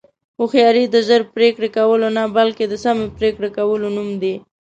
هوښیاري د ژر پرېکړې کولو نه، بلکې د سمې پرېکړې کولو نوم دی.